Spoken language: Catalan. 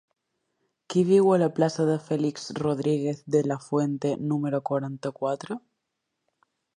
Qui viu a la plaça de Félix Rodríguez de la Fuente número quaranta-quatre?